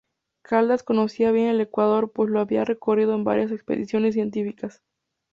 Caldas conocía bien el Ecuador pues lo había recorrido en varias expediciones científicas.